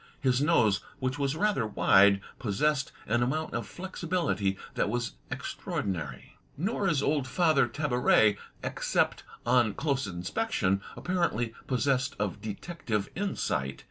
His nose, which was rather wide, possessed an amount of flexibility that was extraordinary. Nor is old Father Tabaret, except on close inspection, apparently possessed of detective insight.